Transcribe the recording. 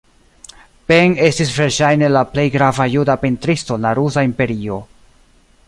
Pen estis verŝajne la plej grava juda pentristo en la rusa imperio.